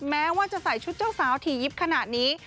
แม้ว่าจะใส่ชุดเจ้าสาวถี่ยิบขนาดนี้